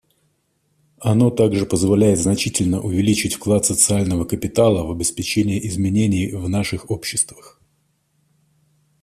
Оно также позволяет значительно увеличить вклад социального капитала в обеспечение изменений в наших обществах.